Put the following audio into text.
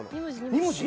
２文字？